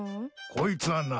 こいつはな。